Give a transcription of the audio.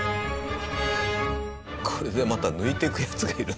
これでまた抜いていくヤツがいる。